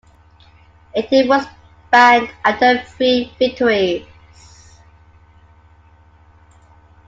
It too was banned after three victories.